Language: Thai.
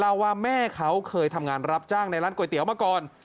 ว่าแม่เขาเคยทำงานรับจ้างในร้านก๋วยเตี๋ยวมาก่อน